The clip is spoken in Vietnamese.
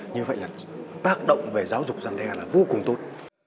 như vậy là tác động về giáo dục dân đe là vô cùng tốt